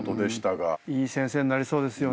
いい先生になりそうですよね。